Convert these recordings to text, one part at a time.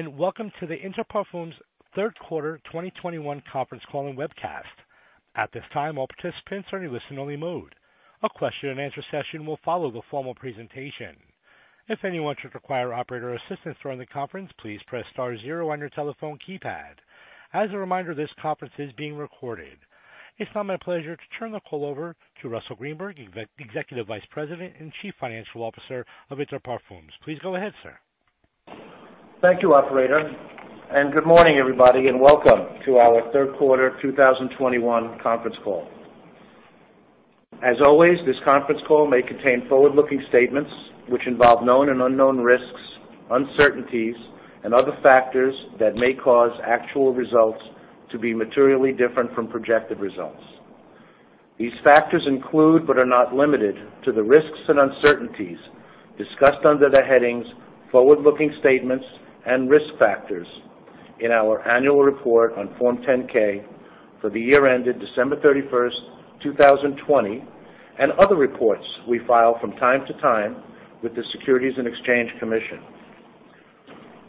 Hello, welcome to the Inter Parfums third quarter 2021 conference call and webcast. At this time, all participants are in listen only mode. A question and answer session will follow the formal presentation. If anyone should require operator assistance during the conference, please press star zero on your telephone keypad. As a reminder, this conference is being recorded. It's now my pleasure to turn the call over to Russell Greenberg, Executive Vice President and Chief Financial Officer of Inter Parfums. Please go ahead, sir. Thank you, operator. Good morning, everybody, welcome to our third quarter 2021 conference call. As always, this conference call may contain forward-looking statements which involve known and unknown risks, uncertainties, and other factors that may cause actual results to be materially different from projected results. These factors include, but are not limited to, the risks and uncertainties discussed under the headings "Forward-looking Statements" and "Risk Factors" in our annual report on Form 10-K for the year ended December 31st, 2020, and other reports we file from time to time with the Securities and Exchange Commission.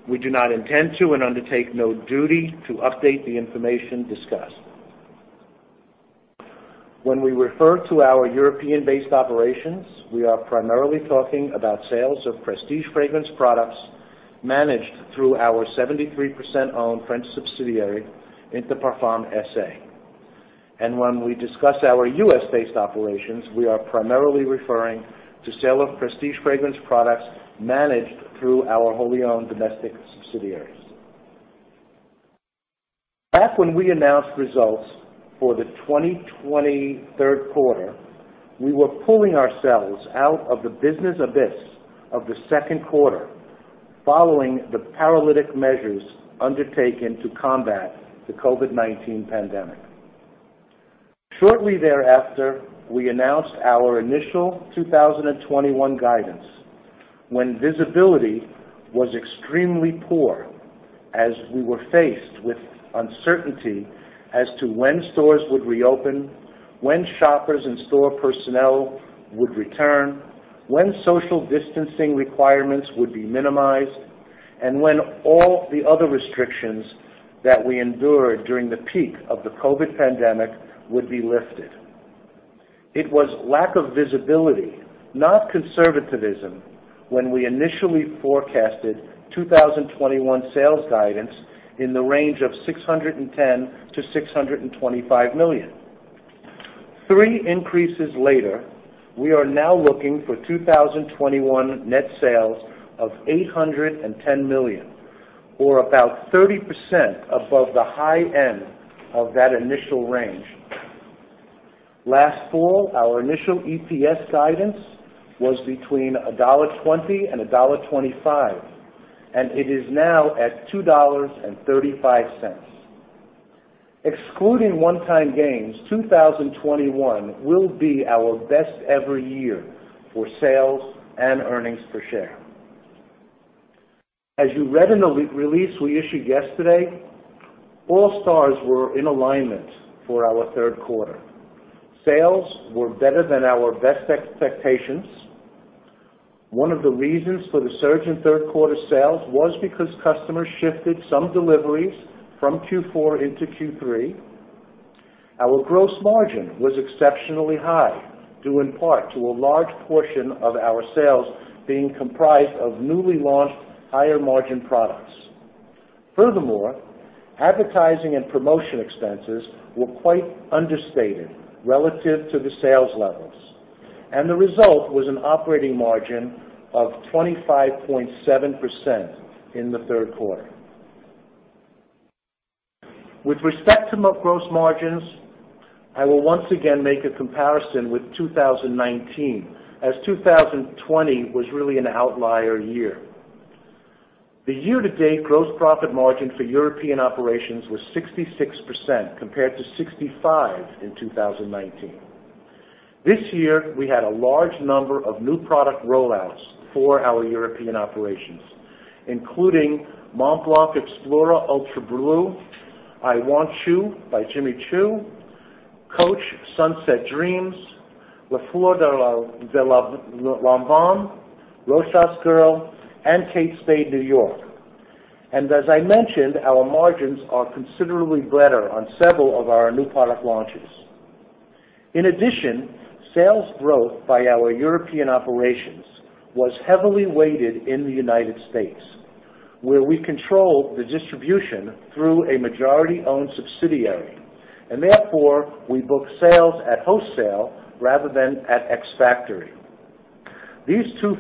We do not intend to and undertake no duty to update the information discussed. When we refer to our European-based operations, we are primarily talking about sales of prestige fragrance products managed through our 73%-owned French subsidiary, Inter Parfums S.A. When we discuss our U.S.-based operations, we are primarily referring to sale of prestige fragrance products managed through our wholly-owned domestic subsidiaries. Back when we announced results for the 2020 third quarter, we were pulling ourselves out of the business abyss of the second quarter following the paralytic measures undertaken to combat the COVID-19 pandemic. Shortly thereafter, we announced our initial 2021 guidance when visibility was extremely poor as we were faced with uncertainty as to when stores would reopen, when shoppers and store personnel would return, when social distancing requirements would be minimized, and when all the other restrictions that we endured during the peak of the COVID pandemic would be lifted. It was lack of visibility, not conservatism, when we initially forecasted 2021 sales guidance in the range of $610 million-$625 million. Three increases later, we are now looking for 2021 net sales of $810 million, or about 30% above the high end of that initial range. Last fall, our initial EPS guidance was between $1.20 and $1.25, and it is now at $2.35. Excluding one-time gains, 2021 will be our best ever year for sales and earnings per share. As you read in the release we issued yesterday, all stars were in alignment for our third quarter. Sales were better than our best expectations. One of the reasons for the surge in third quarter sales was because customers shifted some deliveries from Q4 into Q3. Our gross margin was exceptionally high, due in part to a large portion of our sales being comprised of newly launched higher margin products. Furthermore, advertising and promotion expenses were quite understated relative to the sales levels, and the result was an operating margin of 25.7% in the third quarter. With respect to gross margins, I will once again make a comparison with 2019, as 2020 was really an outlier year. The year-to-date gross profit margin for European operations was 66%, compared to 65% in 2019. This year, we had a large number of new product rollouts for our European operations, including Montblanc Explorer Ultra Blue, I Want Choo by Jimmy Choo, Coach Dreams Sunset, Les Fleurs de Lanvin, Rochas Girl, and Kate Spade New York. As I mentioned, our margins are considerably better on several of our new product launches. In addition, sales growth by our European operations was heavily weighted in the U.S., where we control the distribution through a majority-owned subsidiary, and therefore, we book sales at wholesale rather than at ex-factory. These two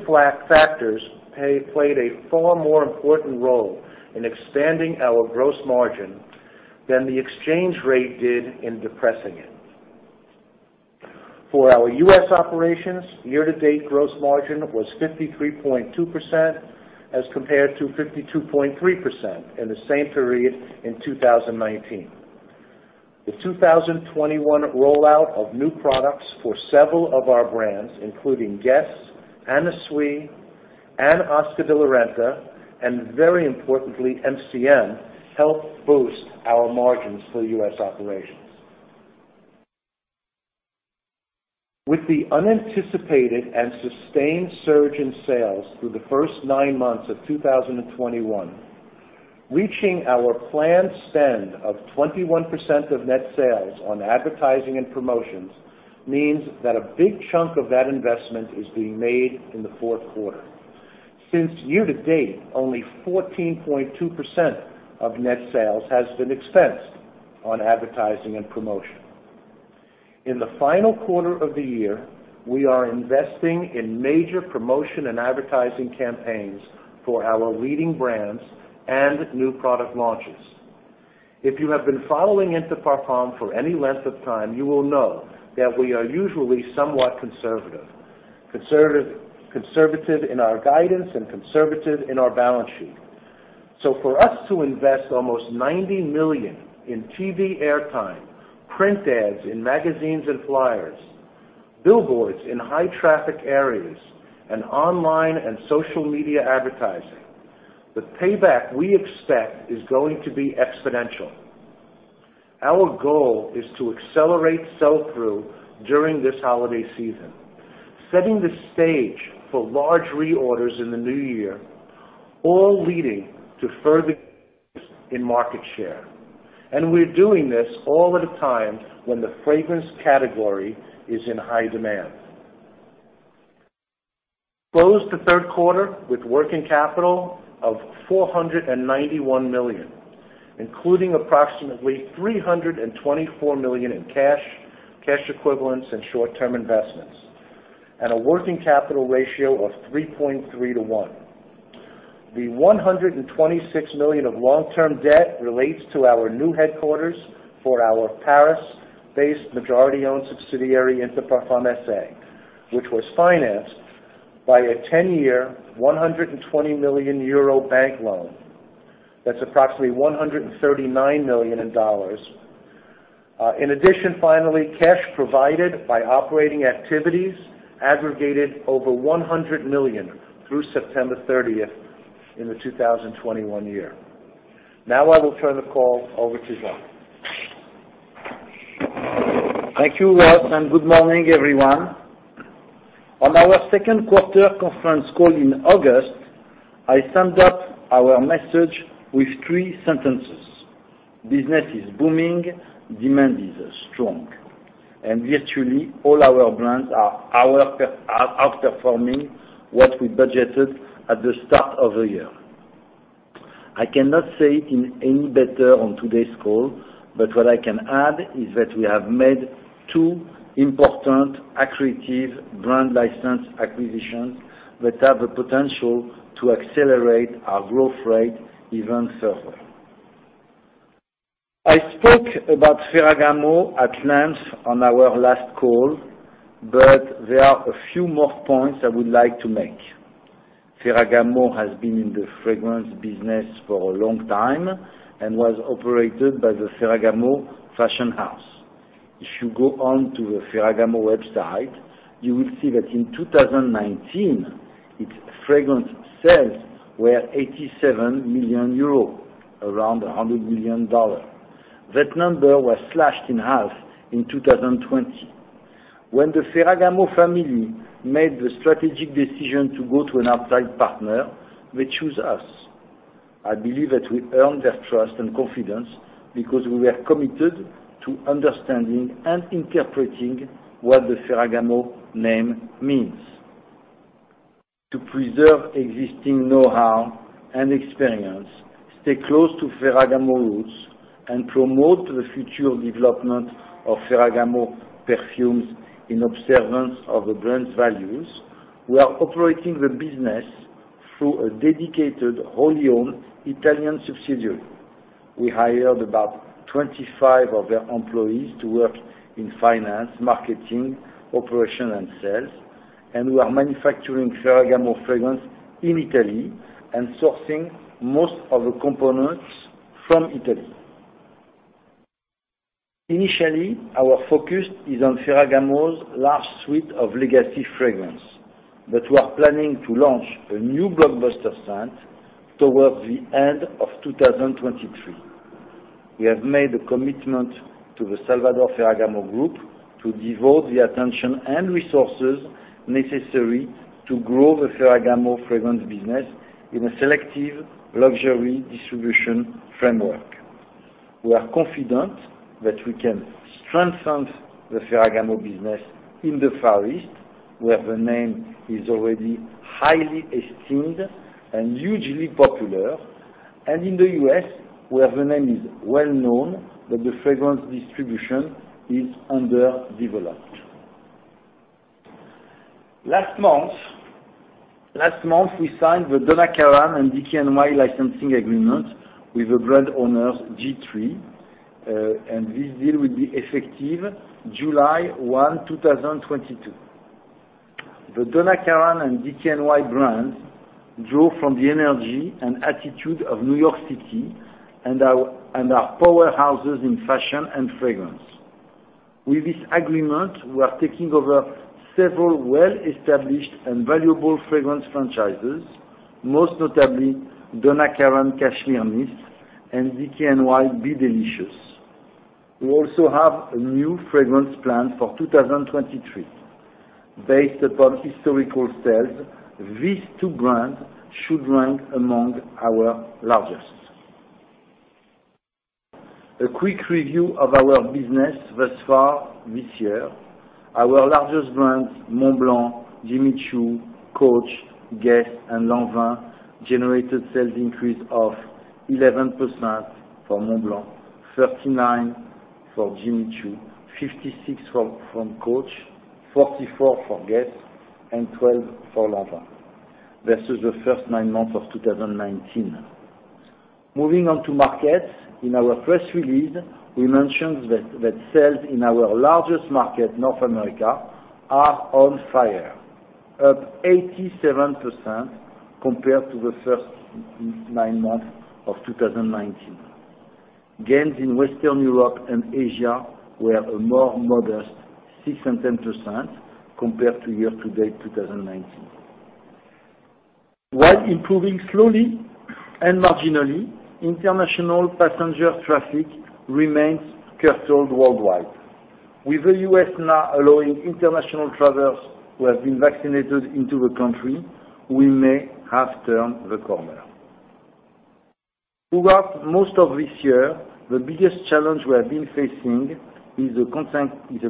factors played a far more important role in expanding our gross margin than the exchange rate did in depressing it. For our U.S. operations, year-to-date gross margin was 53.2% as compared to 52.3% in the same period in 2019. The 2021 rollout of new products for several of our brands, including Guess, Anna Sui, Oscar de la Renta, and very importantly, MCM, helped boost our margins for U.S. operations. With the unanticipated and sustained surge in sales through the first nine months of 2021, reaching our planned spend of 21% of net sales on advertising and promotions means that a big chunk of that investment is being made in the fourth quarter. Since year-to-date, only 14.2% of net sales has been expensed on advertising and promotion. In the final quarter of the year, we are investing in major promotion and advertising campaigns for our leading brands and new product launches. If you have been following Inter Parfums for any length of time, you will know that we are usually somewhat conservative. Conservative in our guidance and conservative in our balance sheet. For us to invest almost $90 million in TV airtime, print ads in magazines and flyers, billboards in high traffic areas, and online and social media advertising, the payback we expect is going to be exponential. Our goal is to accelerate sell-through during this holiday season, setting the stage for large reorders in the new year, all leading to further in market share. We're doing this all at a time when the fragrance category is in high demand. We closed the third quarter with working capital of $491 million, including approximately $324 million in cash equivalents, and short-term investments, and a working capital ratio of 3.3 to one. The $126 million of long-term debt relates to our new headquarters for our Paris-based majority-owned subsidiary, Inter Parfums SA, which was financed by a ten-year, €120 million bank loan. That's approximately $139 million in dollars. In addition, finally, cash provided by operating activities aggregated over $100 million through September 30th in the 2021 year. I will turn the call over to Jean. Thank you, Russ, and good morning, everyone. On our second quarter conference call in August, I summed up our message with three sentences: Business is booming, demand is strong, and virtually all our brands are outperforming what we budgeted at the start of the year. I cannot say it any better on today's call. What I can add is that we have made two important accretive brand license acquisitions that have the potential to accelerate our growth rate even further. I spoke about Ferragamo at length on our last call. There are a few more points I would like to make. Ferragamo has been in the fragrance business for a long time and was operated by the Ferragamo fashion house. If you go on to the Ferragamo website, you will see that in 2019, its fragrance sales were 87 million euros, around $100 million. That number was slashed in half in 2020. When the Ferragamo family made the strategic decision to go to an outside partner, they chose us. I believe that we earned their trust and confidence because we were committed to understanding and interpreting what the Ferragamo name means. To preserve existing know-how and experience, stay close to Ferragamo roots, and promote the future development of Ferragamo perfumes in observance of the brand's values, we are operating the business through a dedicated wholly-owned Italian subsidiary. We hired about 25 of their employees to work in finance, marketing, operation, and sales. We are manufacturing Ferragamo fragrance in Italy and sourcing most of the components from Italy. Initially, our focus is on Ferragamo's large suite of legacy fragrance. We are planning to launch a new blockbuster scent towards the end of 2023. We have made a commitment to the Salvatore Ferragamo Group to devote the attention and resources necessary to grow the Ferragamo fragrance business in a selective luxury distribution framework. We are confident that we can strengthen the Ferragamo business in the Far East, where the name is already highly esteemed and hugely popular, and in the U.S., where the name is well-known, but the fragrance distribution is underdeveloped. Last month, we signed the Donna Karan and DKNY licensing agreement with the brand owner J3. This deal will be effective July 1, 2022. The Donna Karan and DKNY brands draw from the energy and attitude of New York City and are powerhouses in fashion and fragrance. With this agreement, we are taking over several well-established and valuable fragrance franchises, most notably Donna Karan Cashmere Mist and DKNY Be Delicious. We also have a new fragrance plan for 2023. Based upon historical sales, these two brands should rank among our largest. A quick review of our business thus far this year. Our largest brands, Montblanc, Jimmy Choo, Coach, GUESS, and Lanvin, generated sales increase of 11% for Montblanc, 39 for Jimmy Choo, 56 from Coach, 44 for GUESS, and 12 for Lanvin, versus the first nine months of 2019. Moving on to markets. In our press release, we mentioned that sales in our largest market, North America, are on fire, up 87% compared to the first nine months of 2019. Gains in Western Europe and Asia were a more modest 6% and 10% compared to year to date 2019. While improving slowly and marginally, international passenger traffic remains curtailed worldwide. With the U.S. now allowing international travelers who have been vaccinated into the country, we may have turned the corner. Throughout most of this year, the biggest challenge we have been facing is a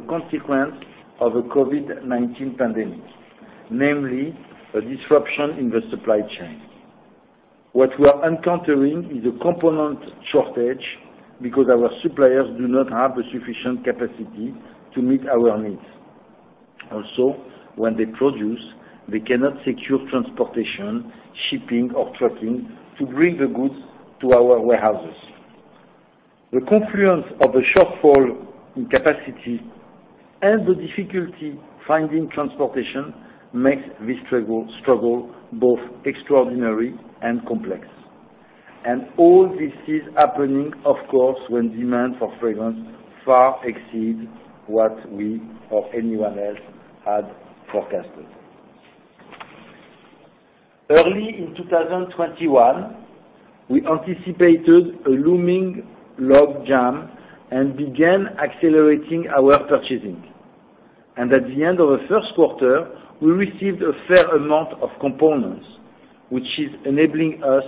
consequence of the COVID-19 pandemic, namely a disruption in the supply chain. What we are encountering is a component shortage because our suppliers do not have the sufficient capacity to meet our needs. Also, when they produce, they cannot secure transportation, shipping, or trucking to bring the goods to our warehouses. The confluence of a shortfall in capacity and the difficulty finding transportation makes this struggle both extraordinary and complex. All this is happening, of course, when demand for fragrance far exceeds what we or anyone else had forecasted. Early in 2021, we anticipated a looming log jam and began accelerating our purchasing. At the end of the first quarter, we received a fair amount of components, which is enabling us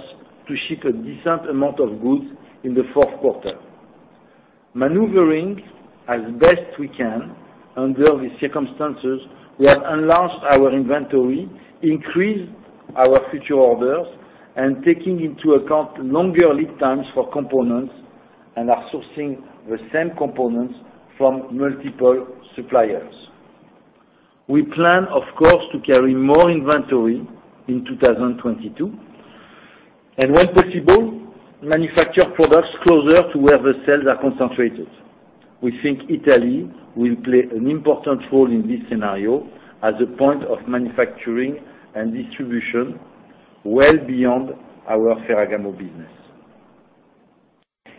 to ship a decent amount of goods in the fourth quarter. Maneuvering as best we can under the circumstances, we have enlarged our inventory, increased our future orders, and taking into account longer lead times for components, and are sourcing the same components from multiple suppliers. We plan, of course, to carry more inventory in 2022, and when possible, manufacture products closer to where the sales are concentrated. We think Italy will play an important role in this scenario as a point of manufacturing and distribution, well beyond our Ferragamo business.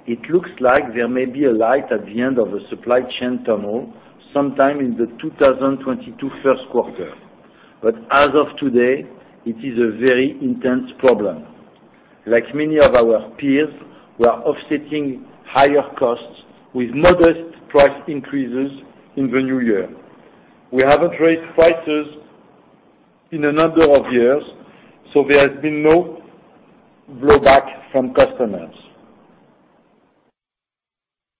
It looks like there may be a light at the end of the supply chain tunnel sometime in the 2022 first quarter. As of today, it is a very intense problem. Like many of our peers, we are offsetting higher costs with modest price increases in the new year. We haven't raised prices in a number of years, so there has been no blowback from customers.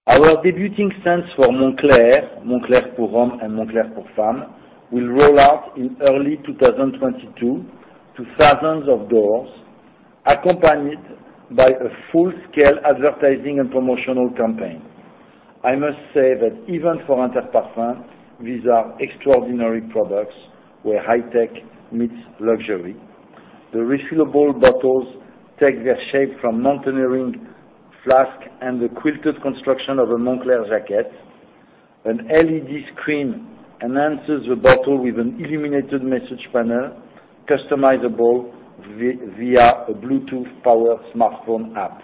Our debuting scents for Moncler Pour Homme and Moncler Pour Femme, will roll out in early 2022 to thousands of doors, accompanied by a full-scale advertising and promotional campaign. I must say that even for Inter Parfums, these are extraordinary products where high tech meets luxury. The refillable bottles take their shape from mountaineering flask and the quilted construction of a Moncler jacket. An LED screen enhances the bottle with an illuminated message panel customizable via a Bluetooth-powered smartphone app.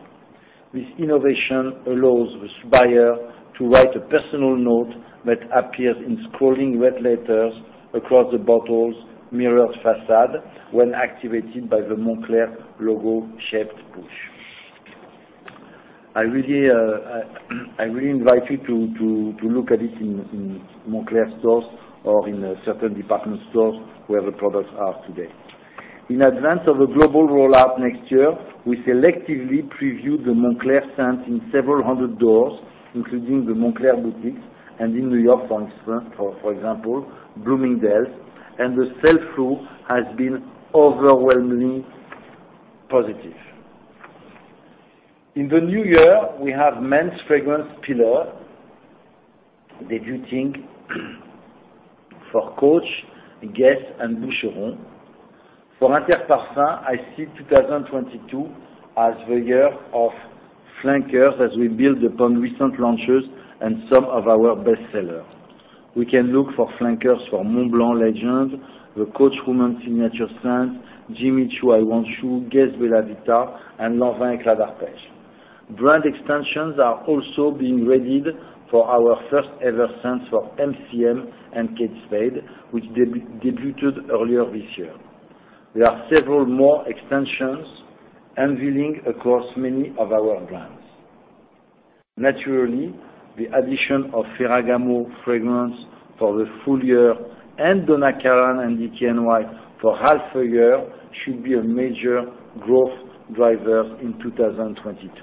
This innovation allows the supplier to write a personal note that appears in scrolling red letters across the bottle's mirrored facade when activated by the Moncler logo-shaped push. I really invite you to look at it in Moncler stores or in certain department stores where the products are today. In advance of a global rollout next year, we selectively previewed the Moncler scent in several hundred doors, including the Moncler boutiques, and in New York, for example, Bloomingdale's, and the sell-through has been overwhelmingly positive. In the new year, we have men's fragrance pillar debuting for Coach, Guess, and Boucheron. For Inter Parfums, I see 2022 as the year of flankers as we build upon recent launches and some of our bestsellers. We can look for flankers for Montblanc Legend, the Coach Women signature scents, Jimmy Choo I Want Choo, Guess Bella Vita, and Lanvin Éclat d'Arpège. Brand extensions are also being readied for our first ever scents for MCM and Kate Spade, which debuted earlier this year. There are several more extensions unveiling across many of our brands. Naturally, the addition of Ferragamo fragrance for the full year and Donna Karan and DKNY for half a year should be a major growth driver in 2022.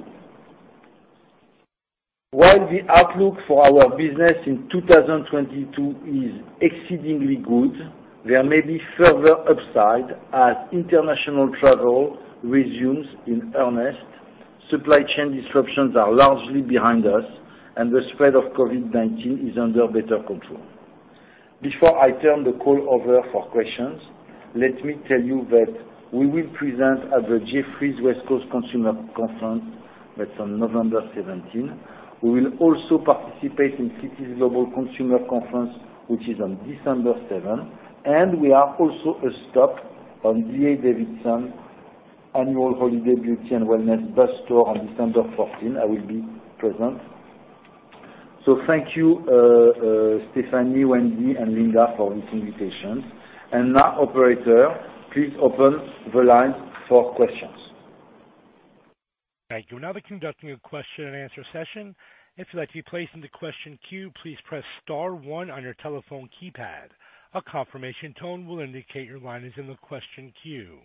While the outlook for our business in 2022 is exceedingly good, there may be further upside as international travel resumes in earnest, supply chain disruptions are largely behind us, and the spread of COVID-19 is under better control. Before I turn the call over for questions, let me tell you that we will present at the Jefferies West Coast Consumer Conference that is on November 17. We will also participate in Citi's Global Consumer Conference, which is on December seven, and we are also a stop on D.A. Davidson Annual Holiday Beauty and Wellness Bus Tour on December 14. I will be present. Thank you, Stephanie, Wendy, and Linda for this invitation. Now, operator, please open the line for questions. Thank you. We are now conducting a question and answer session. If you would like to be placed into question queue, please press star one on your telephone keypad. A confirmation tone will indicate your line is in the question queue.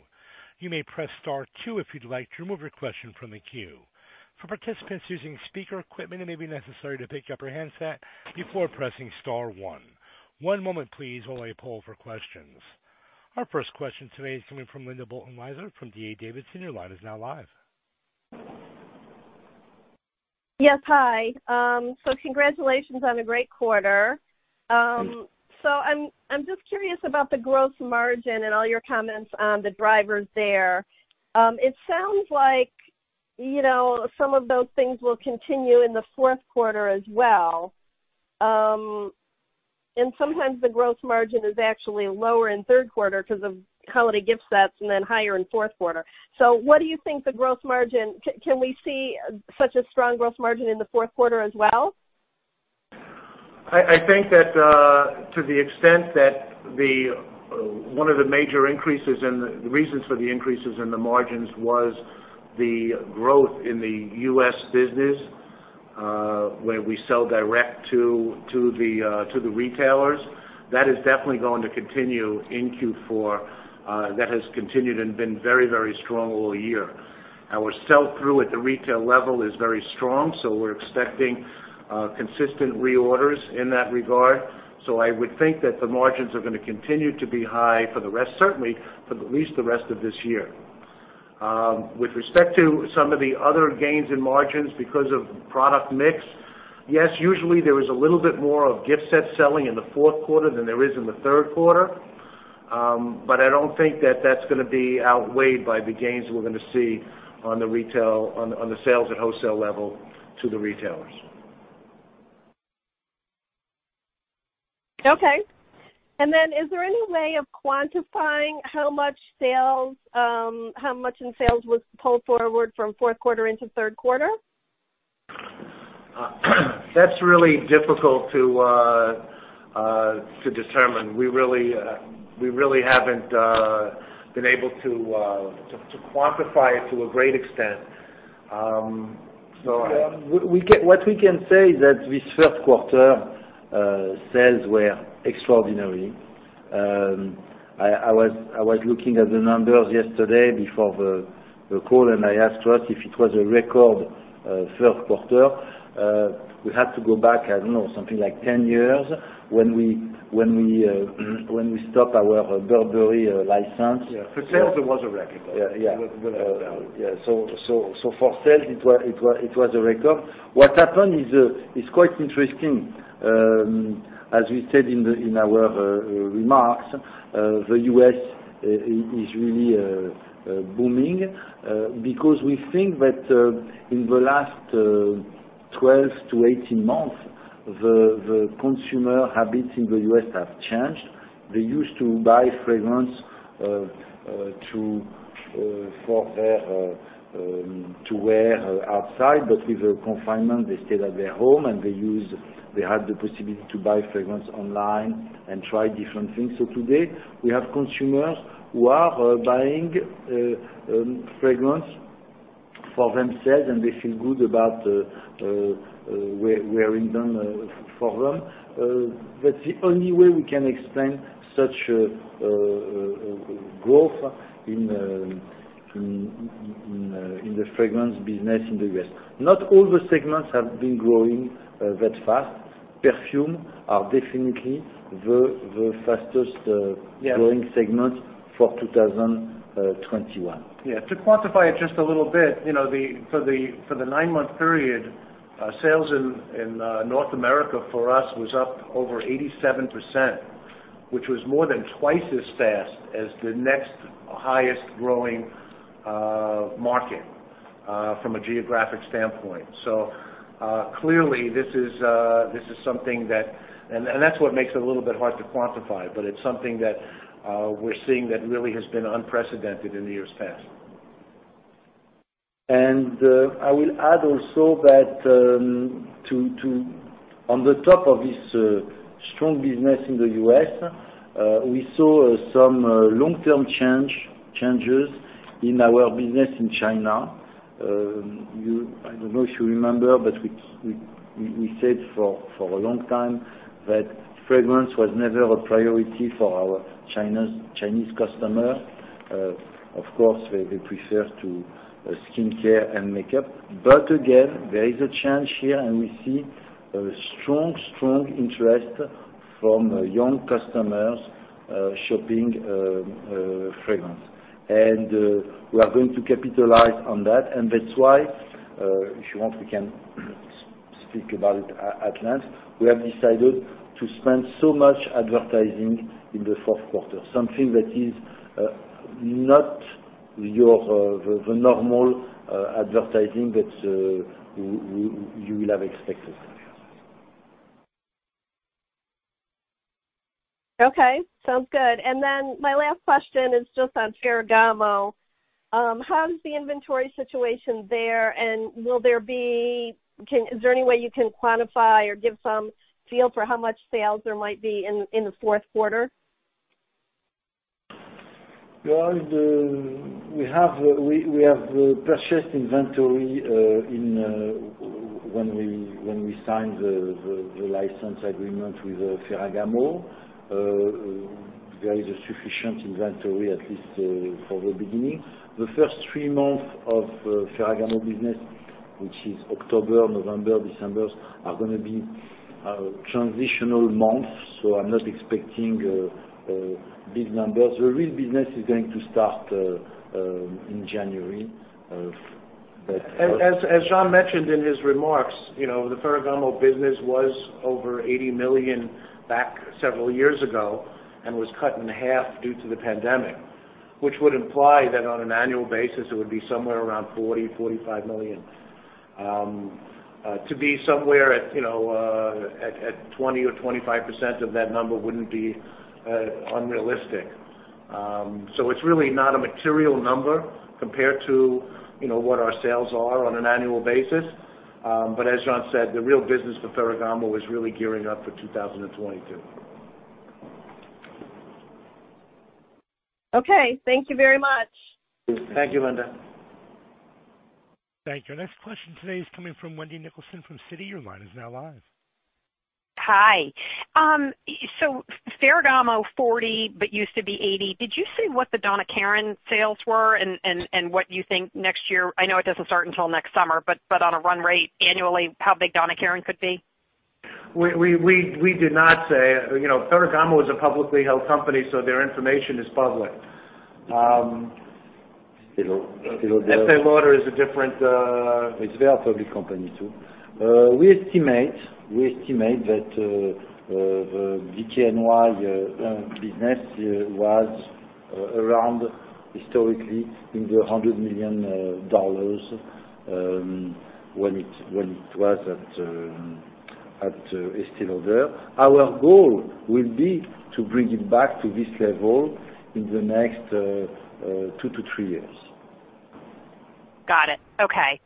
You may press star two if you would like to remove your question from the queue. For participants using speaker equipment, it may be necessary to pick up your handset before pressing star one. One moment please, while I poll for questions. Our first question today is coming from Linda Bolton-Weiser from D.A. Davidson. Your line is now live. Yes, hi. Congratulations on a great quarter. Thank you. I'm just curious about the gross margin and all your comments on the drivers there. It sounds like some of those things will continue in the fourth quarter as well. Sometimes the gross margin is actually lower in third quarter because of holiday gift sets and then higher in fourth quarter. What do you think the gross margin? Can we see such a strong gross margin in the fourth quarter as well? I think that to the extent that one of the major increases and the reasons for the increases in the margins was the growth in the U.S. business, where we sell direct to the retailers. That is definitely going to continue in Q4. That has continued and been very strong all year. Our sell-through at the retail level is very strong, we're expecting consistent reorders in that regard. I would think that the margins are going to continue to be high, certainly, for at least the rest of this year. With respect to some of the other gains in margins because of product mix, yes, usually there is a little bit more of gift set selling in the fourth quarter than there is in the third quarter. I don't think that that's going to be outweighed by the gains we're going to see on the sales at wholesale level to the retailers. Okay. Is there any way of quantifying how much in sales was pulled forward from fourth quarter into third quarter? That's really difficult to determine. We really haven't been able to quantify it to a great extent. What we can say is that this third quarter, sales were extraordinary. I was looking at the numbers yesterday before the call, and I asked Russ if it was a record third quarter. We had to go back, I don't know, something like 10 years when we stopped our Burberry license. Yeah. For sales, it was a record. Yeah. No doubt. For sales, it was a record. What happened is quite interesting. As we said in our remarks, the U.S. is really booming because we think that in the last 12 to 18 months, the consumer habits in the U.S. have changed. They used to buy fragrance to wear outside, but with the confinement, they stayed at their home, and they had the possibility to buy fragrance online and try different things. Today, we have consumers who are buying fragrance for themselves, and they feel good about wearing them for them. That's the only way we can explain such a growth in the fragrance business in the U.S. Not all the segments have been growing that fast. Perfume are definitely the fastest-growing segment for 2021. Yeah. To quantify it just a little bit, for the nine-month period, sales in North America for us was up over 87%, which was more than twice as fast as the next highest growing market from a geographic standpoint. Clearly, this is something that makes it a little bit hard to quantify, but it's something that we're seeing that really has been unprecedented in the years past. I will add also that on the top of this strong business in the U.S., we saw some long-term changes in our business in China. I don't know if you remember, but we said for a long time that fragrance was never a priority for our Chinese customer. Of course, they prefer skincare and makeup. Again, there is a change here, and we see a strong interest from young customers shopping fragrance. We are going to capitalize on that, and that's why, if you want, we can speak about it at length. We have decided to spend so much advertising in the fourth quarter, something that is not the normal advertising that you will have expected. Okay, sounds good. My last question is just on Ferragamo. How does the inventory situation there, and is there any way you can quantify or give some feel for how much sales there might be in the fourth quarter? Well, we have purchased inventory when we signed the license agreement with Ferragamo. There is a sufficient inventory, at least for the beginning. The first three months of Ferragamo business, which is October, November, December, are going to be transitional months, I'm not expecting big numbers. The real business is going to start in January of that. As Jean mentioned in his remarks, the Ferragamo business was over $80 million back several years ago and was cut in half due to the pandemic, which would imply that on an annual basis, it would be somewhere around $40 million, $45 million. To be somewhere at 20% or 25% of that number wouldn't be unrealistic. It's really not a material number compared to what our sales are on an annual basis. As Jean said, the real business for Ferragamo is really gearing up for 2022. Okay. Thank you very much. Thank you, Linda. Thank you. Next question today is coming from Wendy Nicholson from Citi. Your line is now live. Hi. Ferragamo, $40, but used to be $80. Did you say what the Donna Karan sales were and what you think next year, I know it doesn't start until next summer, but on a run rate annually, how big Donna Karan could be? We did not say. Ferragamo is a publicly held company, their information is public. Estée Lauder is a different. It's very public company, too. We estimate that the DKNY business was around historically in the $100 million when it was at Estée Lauder. Our goal will be to bring it back to this level in the next two to three years. Got it. Okay.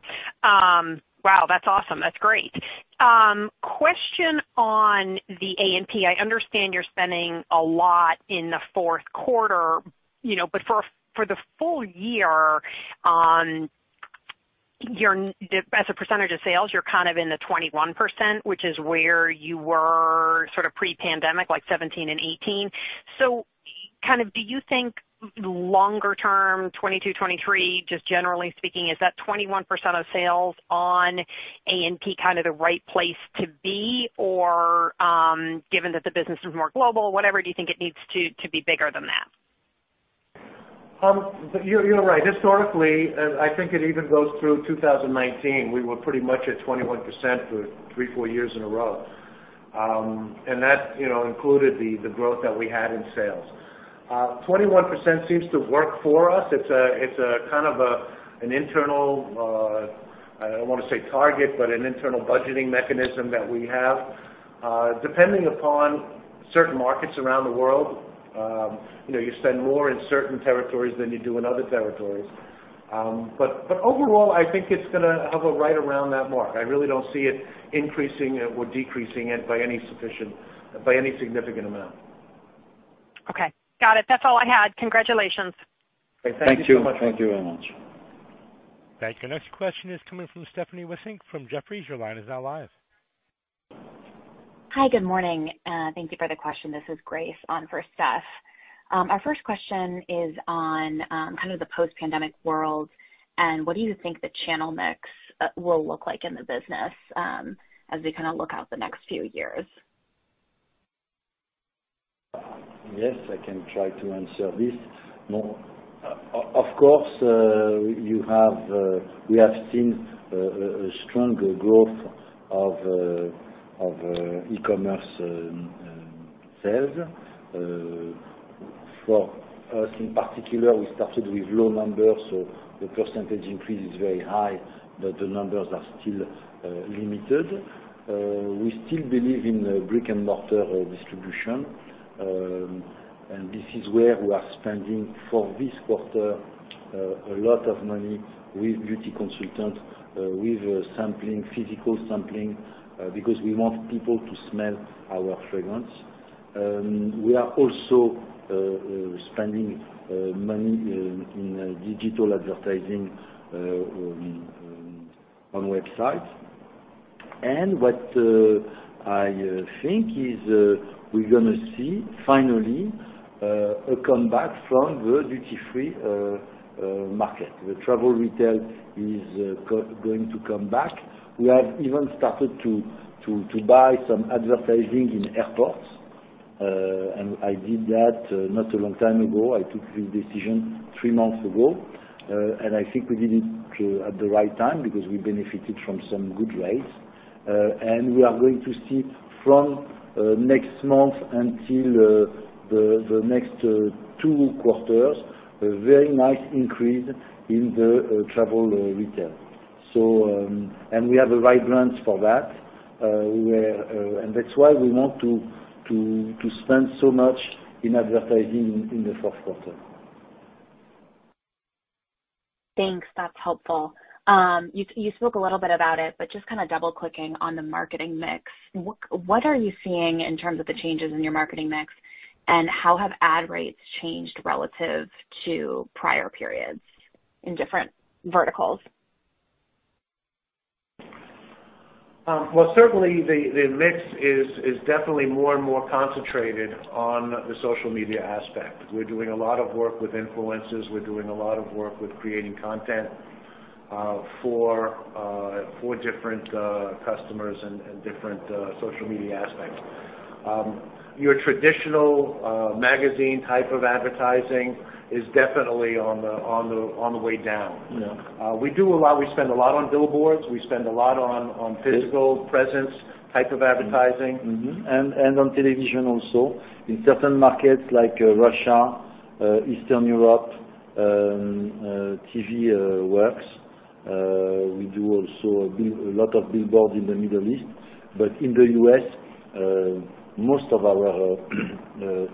Wow, that's awesome. That's great. Question on the A&P. I understand you're spending a lot in the fourth quarter. For the full year, as a percentage of sales, you're kind of in the 21%, which is where you were sort of pre-pandemic, like 2017 and 2018. Do you think longer term, 2022, 2023, just generally speaking, is that 21% of sales on A&P kind of the right place to be? Given that the business is more global, whatever, do you think it needs to be bigger than that? You're right. Historically, I think it even goes through 2019, we were pretty much at 21% for three, four years in a row. That included the growth that we had in sales. 21% seems to work for us. It's a kind of an internal, I don't want to say target, but an internal budgeting mechanism that we have. Depending upon certain markets around the world, you spend more in certain territories than you do in other territories. Overall, I think it's going to hover right around that mark. I really don't see it increasing or decreasing it by any significant amount. Okay. Got it. That's all I had. Congratulations. Thank you so much. Thank you very much. Thank you. Next question is coming from Stephanie Wissink from Jefferies. Your line is now live. Hi, good morning. Thank you for the question. This is Grace on for Steph. Our first question is on kind of the post-pandemic world. What do you think the channel mix will look like in the business as we kind of look out the next few years? Yes, I can try to answer this. Of course, we have seen a stronger growth of e-commerce sales. For us in particular, we started with low numbers, so the percentage increase is very high, but the numbers are still limited. We still believe in brick and mortar distribution. This is where we are spending, for this quarter, a lot of money with beauty consultants, with physical sampling, because we want people to smell our fragrance. We are also spending money in digital advertising on website. What I think is we're going to see finally, a comeback from the duty-free market. The travel retail is going to come back. We have even started to buy some advertising in airports. I did that not a long time ago. I took this decision three months ago. I think we did it at the right time because we benefited from some good rates. We are going to see from next month until the next 2 quarters, a very nice increase in the travel retail. We have the right brands for that. That's why we want to spend so much in advertising in the first quarter. Thanks. That's helpful. You spoke a little bit about it, but just kind of double-clicking on the marketing mix. What are you seeing in terms of the changes in your marketing mix, and how have ad rates changed relative to prior periods in different verticals? Certainly the mix is definitely more and more concentrated on the social media aspect. We're doing a lot of work with influencers. We're doing a lot of work with creating content for different customers and different social media aspects. Your traditional magazine type of advertising is definitely on the way down. Yeah. We spend a lot on billboards. We spend a lot on physical presence type of advertising. Mm-hmm. On television also. In certain markets like Russia, Eastern Europe, TV works. We do also a lot of billboards in the Middle East. In the U.S., most of our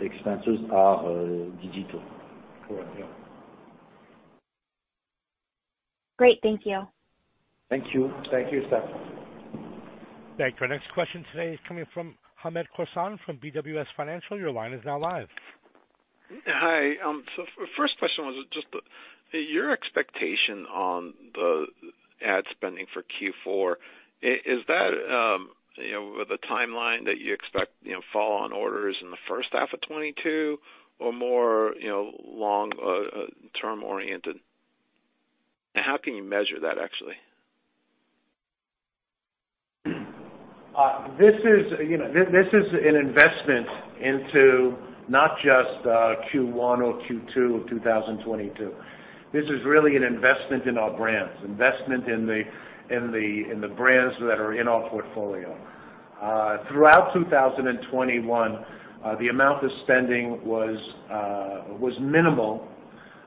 expenses are digital. Correct. Yeah. Great. Thank you. Thank you. Thank you, Steph. Thank you. Our next question today is coming from Hamed Khorsand, from BWS Financial. Your line is now live. Hi. First question was just your expectation on the ad spending for Q4. Is that the timeline that you expect fall on orders in the first half of 2022 or more long-term oriented? How can you measure that, actually? This is an investment into not just Q1 or Q2 of 2022. This is really an investment in our brands, investment in the brands that are in our portfolio. Throughout 2021, the amount of spending was minimal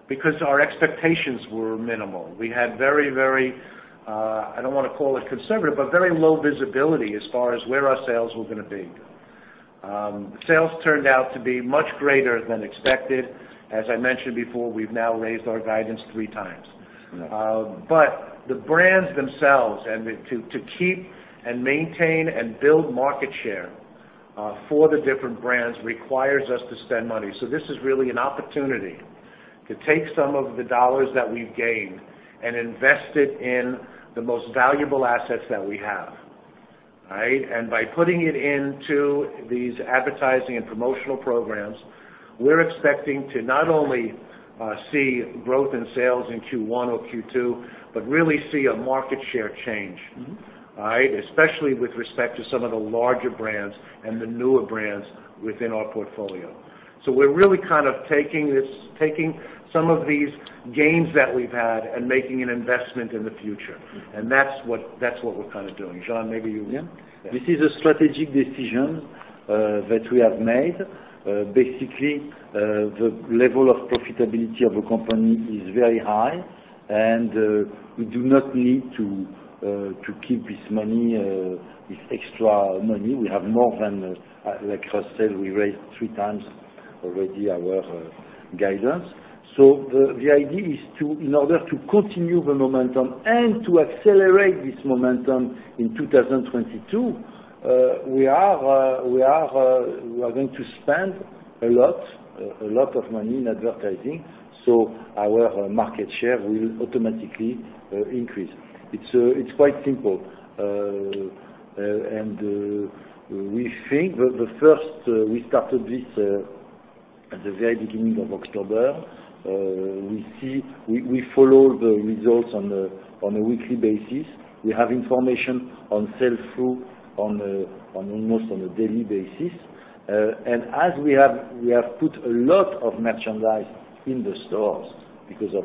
because our expectations were minimal. We had very, I don't want to call it conservative, but very low visibility as far as where our sales were going to be. Sales turned out to be much greater than expected. As I mentioned before, we've now raised our guidance three times. Yeah. The brands themselves, and to keep and maintain and build market share for the different brands, requires us to spend money. This is really an opportunity to take some of the dollars that we've gained and invest it in the most valuable assets that we have. Right? By putting it into these advertising and promotional programs, we're expecting to not only see growth in sales in Q1 or Q2, but really see a market share change. Right? Especially with respect to some of the larger brands and the newer brands within our portfolio. We're really kind of taking some of these gains that we've had and making an investment in the future. That's what we're kind of doing. Jean, maybe you- Yeah. Yeah. This is a strategic decision that we have made. Basically, the level of profitability of a company is very high, and we do not need to keep this extra money. We have more than, like I said, we raised three times already our guidance. The idea is in order to continue the momentum and to accelerate this momentum in 2022, we are going to spend a lot of money in advertising, so our market share will automatically increase. It's quite simple. We think that we started this at the very beginning of October. We follow the results on a weekly basis. We have information on sell-through almost on a daily basis. As we have put a lot of merchandise in the stores because of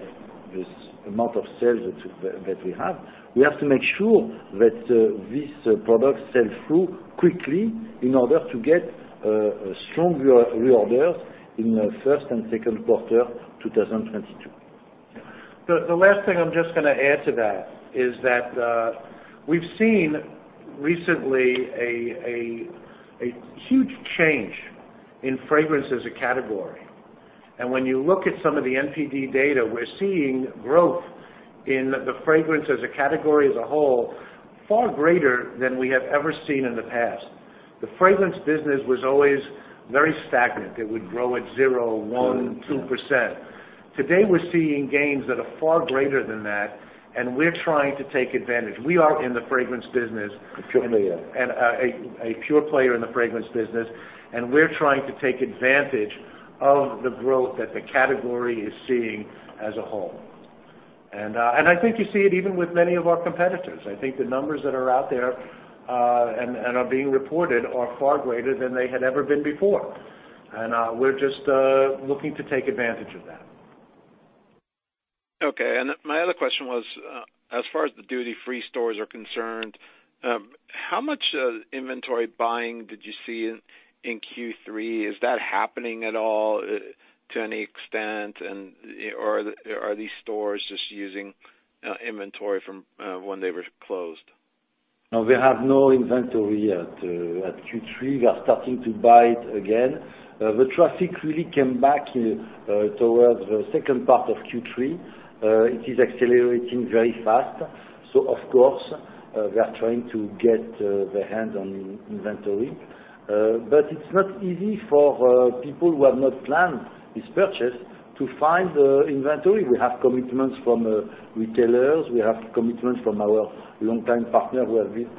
this amount of sales that we have, we have to make sure that this product sell through quickly in order to get stronger reorders in first and second quarter 2022. The last thing I'm just going to add to that is that we've seen recently a huge change in fragrance as a category. When you look at some of the NPD data, we're seeing growth in the fragrance as a category as a whole, far greater than we have ever seen in the past. The fragrance business was always very stagnant. It would grow at zero, one, 2%. Today, we're seeing gains that are far greater than that, and we're trying to take advantage. We are in the fragrance business- A pure player A pure player in the fragrance business, we're trying to take advantage of the growth that the category is seeing as a whole. I think you see it even with many of our competitors. I think the numbers that are out there, and are being reported are far greater than they had ever been before. We're just looking to take advantage of that. Okay. My other question was, as far as the duty-free stores are concerned, how much inventory buying did you see in Q3? Is that happening at all to any extent, or are these stores just using inventory from when they were closed? We have no inventory at Q3. We are starting to buy it again. The traffic really came back towards the second part of Q3. It is accelerating very fast. Of course, we are trying to get the hand on inventory. It's not easy for people who have not planned this purchase to find the inventory. We have commitments from retailers. We have commitments from our longtime partner who have been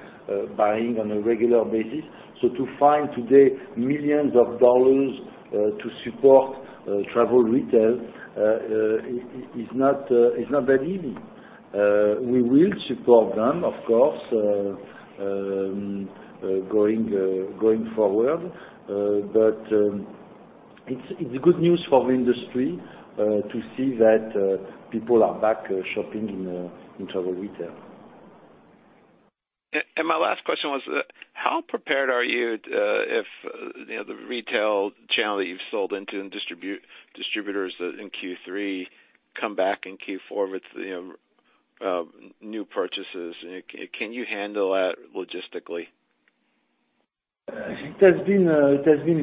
buying on a regular basis. To find today millions of dollars to support travel retail is not that easy. We will support them, of course, going forward. It's good news for the industry, to see that people are back shopping in travel retail. My last question was, how prepared are you if the other retail channel that you've sold into and distributors in Q3 come back in Q4 with new purchases? Can you handle that logistically? It has been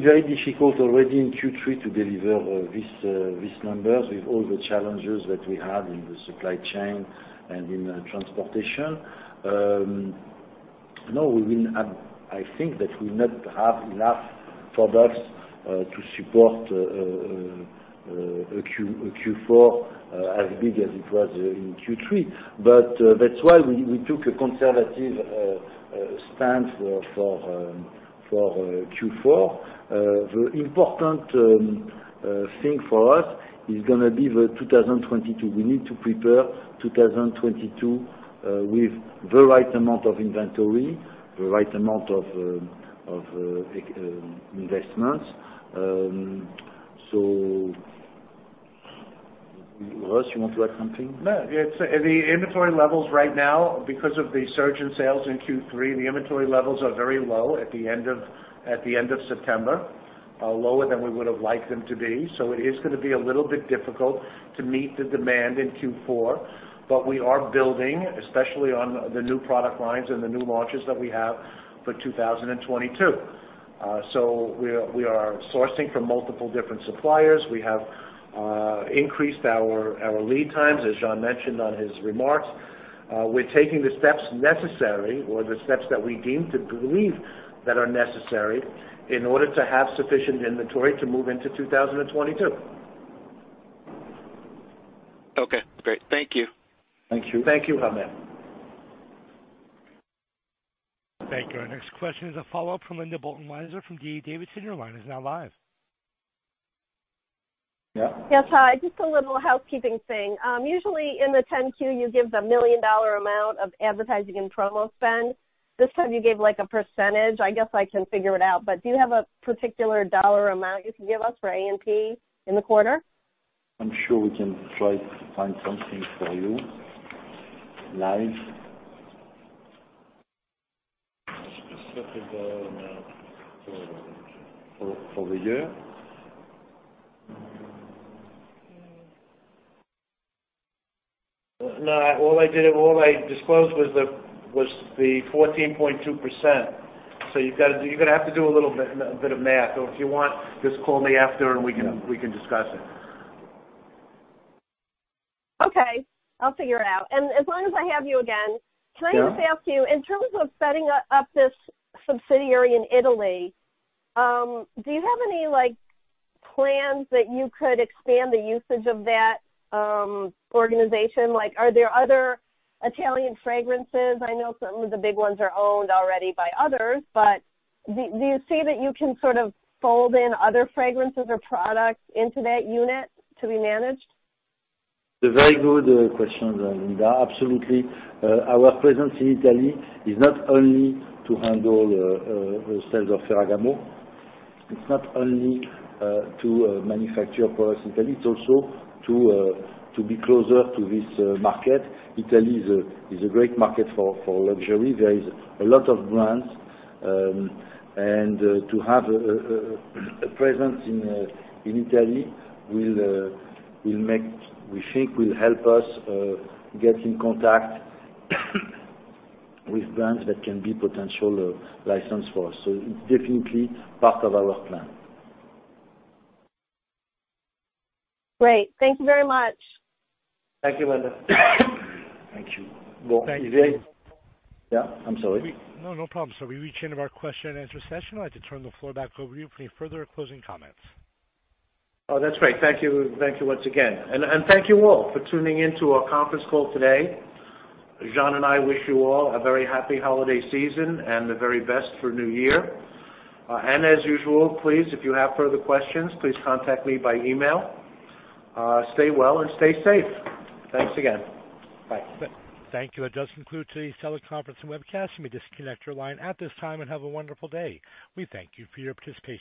very difficult already in Q3 to deliver these numbers with all the challenges that we have in the supply chain and in transportation. I think that we not have enough products to support a Q4 as big as it was in Q3. That's why we took a conservative stance for Q4. The important thing for us is going to be the 2022. We need to prepare 2022 with the right amount of inventory, the right amount of investments. Russ, you want to add something? The inventory levels right now, because of the surge in sales in Q3, the inventory levels are very low at the end of September, lower than we would've liked them to be. It is going to be a little bit difficult to meet the demand in Q4. We are building, especially on the new product lines and the new launches that we have for 2022. We are sourcing from multiple different suppliers. We have increased our lead times, as Jean mentioned on his remarks. We're taking the steps necessary or the steps that we deem to believe that are necessary in order to have sufficient inventory to move into 2022. Okay, great. Thank you. Thank you. Thank you, Hamed. Thank you. Our next question is a follow-up from Linda Bolton-Weiser from D.A. Davidson. Your line is now live. Yeah. Yes, hi. Just a little housekeeping thing. Usually in the 10-Q, you give the million-dollar amount of advertising and promo spend. This time you gave a percentage. I guess I can figure it out, but do you have a particular dollar amount you can give us for A&P in the quarter? I'm sure we can try to find something for you. Live. What's the specific dollar amount for the year? For the year? No, all I disclosed was the 14.2%. You're going to have to do a little bit of math, or if you want, just call me after and we can discuss it. Okay. I'll figure it out. As long as I have you again Yeah Can I just ask you, in terms of setting up this subsidiary in Italy, do you have any plans that you could expand the usage of that organization? Are there other Italian fragrances? I know some of the big ones are owned already by others, but do you see that you can sort of fold in other fragrances or products into that unit to be managed? A very good question, Linda. Absolutely. Our presence in Italy is not only to handle sales of Ferragamo. It's not only to manufacture products in Italy, it's also to be closer to this market. Italy is a great market for luxury. There is a lot of brands. To have a presence in Italy, we think will help us get in contact with brands that can be potential license for us. It's definitely part of our plan. Great. Thank you very much. Thank you, Linda. Thank you. Well, Thank you. Yeah, I'm sorry. No, no problem. We've reached the end of our question and answer session. I'd like to turn the floor back over to you for any further closing comments. Oh, that's great. Thank you once again. Thank you all for tuning in to our conference call today. Jean and I wish you all a very happy holiday season and the very best for New Year. As usual, please, if you have further questions, please contact me by email. Stay well and stay safe. Thanks again. Bye. Thank you. That does conclude today's teleconference and webcast. You may disconnect your line at this time and have a wonderful day. We thank you for your participation.